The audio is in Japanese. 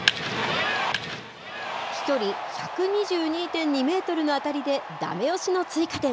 飛距離１２２．２メートルの当たりでだめ押しの追加点。